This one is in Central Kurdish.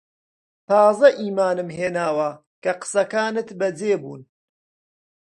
تازە ئیمانم هێناوە کە قسەکانت بەجێ بوون